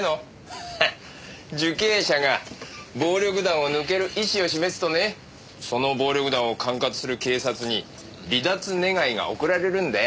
ハハ受刑者が暴力団を抜ける意思を示すとねその暴力団を管轄する警察に離脱願が送られるんだよ。